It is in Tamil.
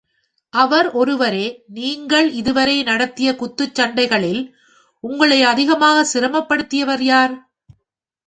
அவர் ஒருவரே நீங்கள் இதுவரை நடத்திய குத்துச் சண்டைகளில், உங்களை அதிகச் சிரமப்படுத்தியவர் யார்?